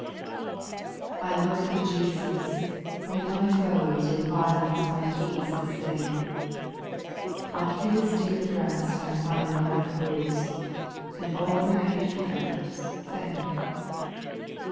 207 5. I look to Jesus, wlien my foes With violence my peace assail ; On His dear breast T find repose, And all their hateful efforts fail.